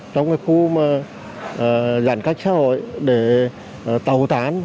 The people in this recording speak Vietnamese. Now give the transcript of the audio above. trong khu giãn cách xã hội để tàu tán